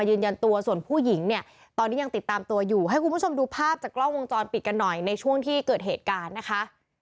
ยืนยันตัวส่วนผู้หญิงเนี่ยตอนนี้ยังติดตามตัวอยู่ให้คุณผู้ชมดูภาพจากกล้องวงจรปิดกันหน่อยในช่วงที่เกิดเหตุการณ์นะคะ